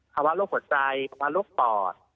ภาวะโรคหัวใจภาวะโรคปอด